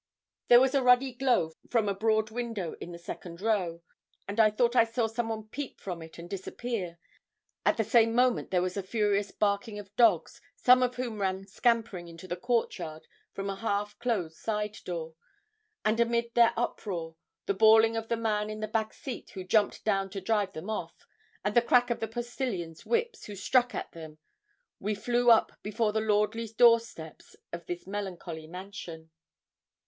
There was a ruddy glow from a broad window in the second row, and I thought I saw some one peep from it and disappear; at the same moment there was a furious barking of dogs, some of whom ran scampering into the court yard from a half closed side door; and amid their uproar, the bawling of the man in the back seat, who jumped down to drive them off, and the crack of the postilions' whips, who struck at them, we drew up before the lordly door steps of this melancholy mansion.